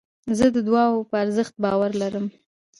زه د دؤعا په ارزښت باور لرم.